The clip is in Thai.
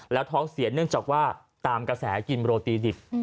แล้วท้องเสียเนื่องจากว่าตามกระแสกินโรตีดิบ